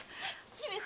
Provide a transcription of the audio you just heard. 姫様。